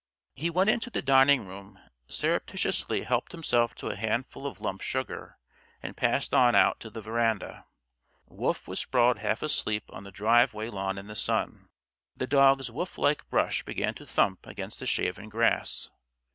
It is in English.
He went into the dining room, surreptitiously helped himself to a handful of lump sugar and passed on out to the veranda. Wolf was sprawled half asleep on the driveway lawn in the sun. The dog's wolflike brush began to thump against the shaven grass.